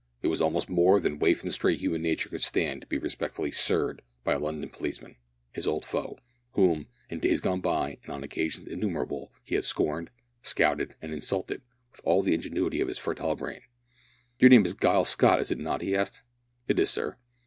It was almost more than waif and stray human nature could stand to be respectfully "sirred" by a London policeman his old foe, whom, in days gone by and on occasions innumerable, he had scorned, scouted, and insulted, with all the ingenuity of his fertile brain. "Your name is Giles Scott, is it not?" he asked. "It is, sir."